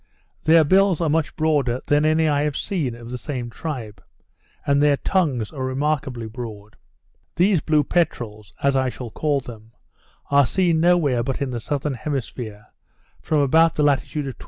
Their bills are much broader than any I have seen of the same tribe; and their tongues are remarkably broad. These blue peterels, as I shall call them, are seen no where but in the southern hemisphere, from about the latitude of 28°, and upwards.